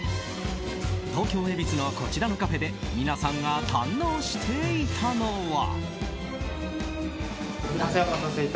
東京・恵比寿のこちらのカフェで皆さんが堪能していたのは。